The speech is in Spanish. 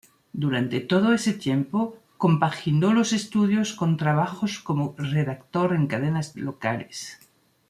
Durante todo ese tiempo compaginó los estudios con trabajos como redactor en cadenas locales.